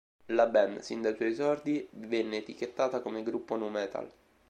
La band sin dai suoi esordi venne etichettata come gruppo nu metal.